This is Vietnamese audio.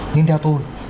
nhưng theo tôi